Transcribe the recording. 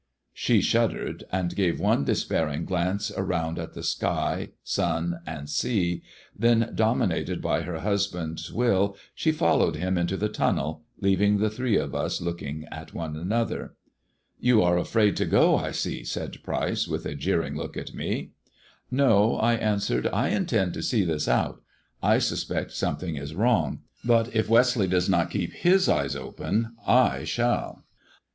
She shuddered, and gave one despairing glance around M> sky, sun, and sea, then, dominated by her husband's will, she followed him into the tunnel, leaving the three of us looking at one another. You are afraid to go, I see," said Pryce, with a jeering look at me. " No !" I answered, " I intend to see this out. I suspect something is wrong, but if Westleigh does not keep his eyes open I shall."